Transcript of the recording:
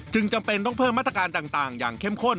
จำเป็นต้องเพิ่มมาตรการต่างอย่างเข้มข้น